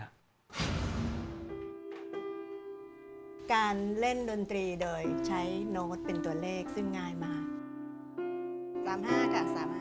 การเล่นดนตรีโดยใช้โน้ตเป็นตัวเลขซึ่งง่ายมาก